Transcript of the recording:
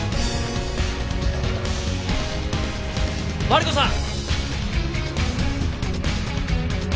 マリコさん！